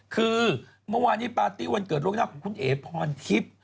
คือเมื่อวานี่รัฐีวันเกิดล่วงหน้าของคุณเอ๋พรคิพ